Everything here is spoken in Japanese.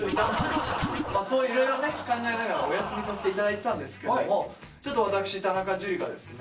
そういういろいろね考えながらお休みさせて頂いてたんですけどもちょっと私田中樹がですね